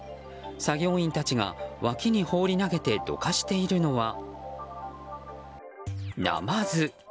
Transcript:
作業員たちが脇に放り投げてどかしているのはナマズ。